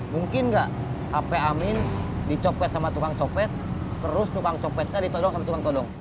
mungkin nggak hp amin dicopet sama tukang copet terus tukang copetnya ditodong sama tukang kodong